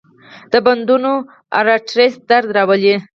د بندونو ارترایټس درد راولي.